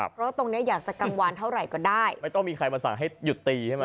เพราะตรงเนี้ยอยากจะกังวานเท่าไหร่ก็ได้ไม่ต้องมีใครมาสั่งให้หยุดตีใช่ไหม